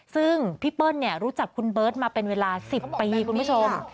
ซึ่งพี่เปิ้ลรู้จักคุณเบิร์ตมาเป็นเวลา๑๐ปีคุณผู้ชม